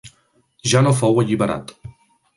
Ja no fou alliberat.